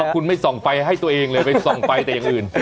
คุณไม่ส่องไฟให้ตัวเองเลยไปส่องไฟแต่อย่างอื่น